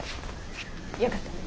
よかったね。